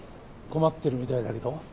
困ってるみたいだけど。